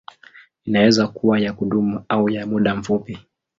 Inaweza kuwa ya kudumu au ya muda mfupi.